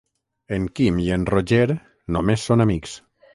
En Quim i en Roger només són amics.